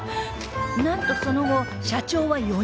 なんとその後社長は夜逃げ